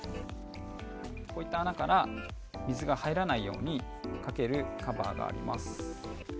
こういった穴から水が入らないようにかけるカバーがあります。